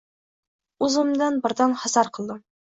Oʻzimdan birdan hazar qildim.